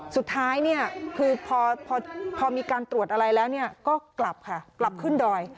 สุดท้ายเนี่ยคือพอมีการตรวจอะไรแล้วก็กลับค่ะกลับขึ้นดอย